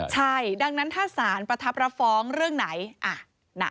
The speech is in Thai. ใช่ดังนั้นถ้าสารประทับรับฟ้องเรื่องไหน